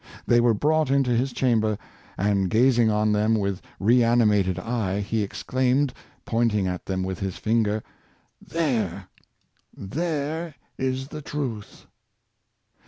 They were brought into his chamber, and, gazing on them with reanimated eye, he exclaimed, pointing at them with his finger, " There — there is the truth!